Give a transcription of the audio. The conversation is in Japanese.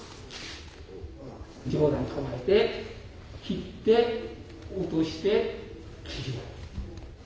上段構えて斬って落として斬る。